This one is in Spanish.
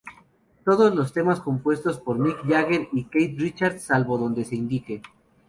Todos los temas compuestos por Mick Jagger y Keith Richards, salvo donde se indique.